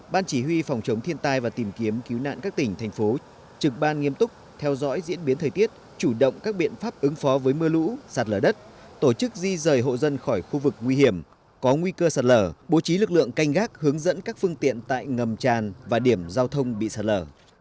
ban chỉ huy phòng chống thiên tai và tìm kiếm cứu nạn các tỉnh thành phố trực ban nghiêm túc theo dõi diễn biến thời tiết chủ động các biện pháp ứng phó với mưa lũ sạt lở đất tổ chức di rời hộ dân khỏi khu vực nguy hiểm có nguy cơ sạt lở bố trí lực lượng canh gác hướng dẫn các phương tiện tại ngầm tràn và điểm giao thông bị sạt lở